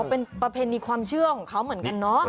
เป็นแผ่นนี้ความเชื่อของเขาเหมือนกันน่ะ